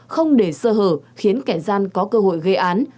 không để sơ hở khiến kẻ gian có cơ hội gây án